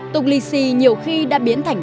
tục lì xì nhiều khi đã biến thành